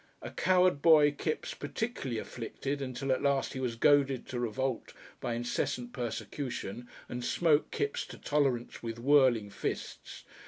A coward boy Kipps particularly afflicted, until at last he was goaded to revolt by incessant persecution, and smote Kipps to tolerance with whirling fists.